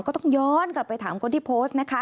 ก็ต้องย้อนกลับไปถามคนที่โพสต์นะคะ